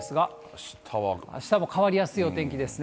あしたも変わりやすいお天気ですね。